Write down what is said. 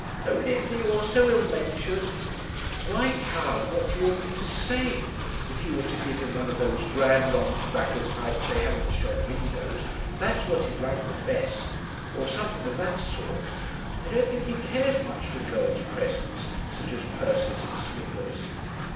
'Oh, Linda, you are so ill natured.' 'Why, child, what do you want me to say? If you were to give him one of those grand long tobacco pipes they have in the shop windows, that's what he'd like the best; or something of that sort. I don't think he cares much for girls' presents, such as purses and slippers.'